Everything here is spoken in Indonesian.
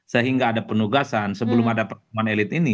sehingga ada penugasan sebelum ada pertemuan elit ini